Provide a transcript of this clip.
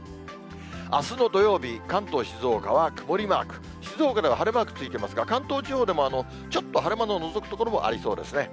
あすの土曜日、関東、静岡は曇りマーク、静岡では晴れマークついてますが、関東地方でも、ちょっと晴れ間ののぞく所もありそうですね。